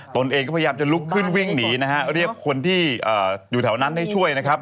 ตนเองก็พยายามจะลุกขึ้นวิ่งหนีนะฮะเรียกคนที่อยู่แถวนั้นให้ช่วยนะครับ